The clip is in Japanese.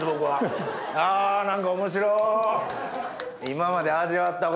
あ何か面白。